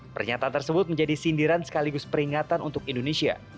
pernyataan tersebut menjadi sindiran sekaligus peringatan untuk indonesia